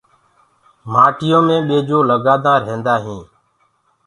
مآٽو مي ٻيڇو هوندآ هودآ هينٚ۔